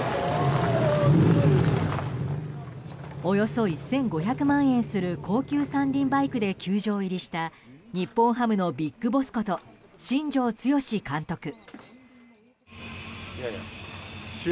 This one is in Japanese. およそ１５００万円する高級三輪バイクで球場入りした日本ハムのビッグボスこと新庄剛志監督。